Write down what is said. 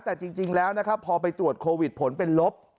แต่จริงแล้วนะครับพอไปตรวจโควิดผลเป็นลบ